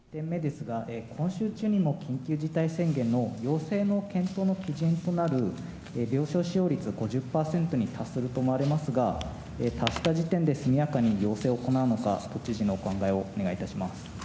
今週中にも緊急事態宣言を要請の検討の基準となる病床使用率５０％に達すると思われますが、達した時点で速やかに要請を行うのか、都知事のお考えをお願いいたします。